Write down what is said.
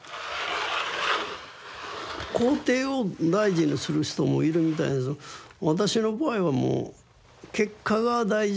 工程を大事にする人もいるみたいですけど私の場合はもう結果が大事であって。